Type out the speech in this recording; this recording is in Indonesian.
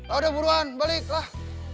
aduh buruan balik lah